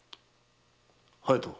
隼人。